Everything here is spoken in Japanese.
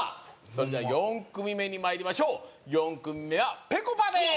それでは４組目にまいりましょう４組目はぺこぱです